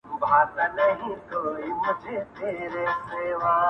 • په چا کور او په چا کلی په چا وران سي لوی ښارونه..